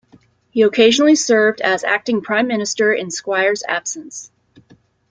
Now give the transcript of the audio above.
He occasionally served as acting Prime Minister in Squire's absence.